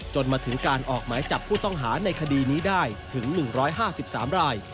จนมาถึงการออกหมายจับผู้ต้องหาในคดีนี้ได้ถึง๑๕๓ราย